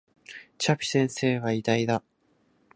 チャピ先生は偉大だ